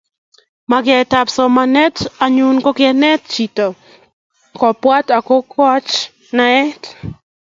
Magetab somanet anyun ko kenet chito kobwat akokoch naitaet